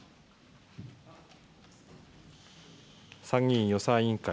参議院予算委員会。